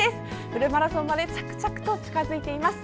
フルマラソンまで着々と近づいています。